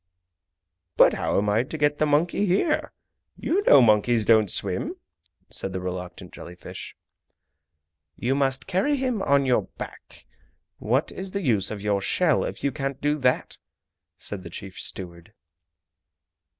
"But how am I to get the monkey here? You know monkeys don't swim?" said the reluctant jelly fish. "You must carry him on your back. What is the use of your shell if you can't do that!" said the chief steward.